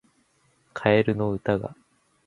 カエルの歌が